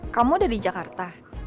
kamu udah di jakarta